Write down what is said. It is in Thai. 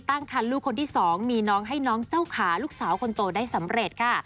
ตั้งคันลูกคนที่๒มีน้องให้น้องเจ้าขาลูกสาวคนโตได้สำเร็จค่ะ